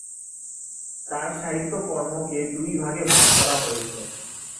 তার সাহিত্য কর্মকে দুই ভাগে ভাগ করা হয়েছে।